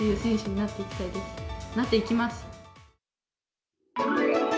なっていきます。